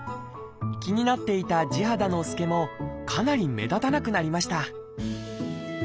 気になっていた地肌の透けもかなり目立たなくなりました。